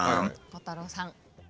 鋼太郎さん。